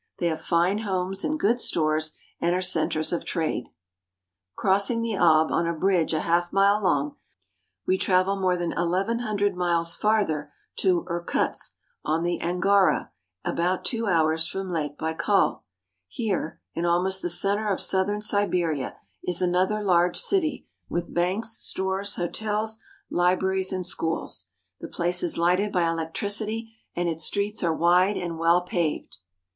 They have fine homes and good stores and are centers of trade. Crossing the Ob on a bridge a half mile long, we travel more than eleven hundred miles farther to Irkutsk on the Angara (an ga'ra), about two hours from Lake Baikal (bl kal'). Here, in almost the center of southern Siberia, is another large city with banks, stores,^ hotels, libraries, and schools. The place is lighted by electricity and its streets are wide and well paved.